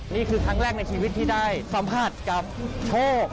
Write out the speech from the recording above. นี่คือครั้งแรกในชีวิตที่ได้สัมผัสกับโชค